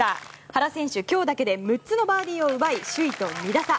原選手、今日だけで６つのバーディーを奪い首位と２打差。